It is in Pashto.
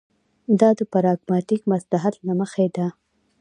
دا د پراګماټیک مصلحت له مخې ده.